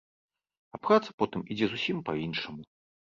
І праца потым ідзе зусім па-іншаму.